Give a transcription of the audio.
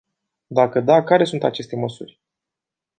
Dacă da, care sunt aceste măsuri?